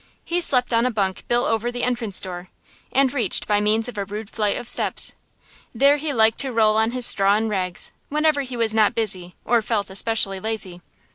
He slept on a bunk built over the entrance door, and reached by means of a rude flight of steps. There he liked to roll on his straw and rags, whenever he was not busy, or felt especially lazy.